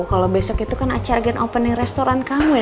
kalo besok itu kan acargan opening restoran kamu ya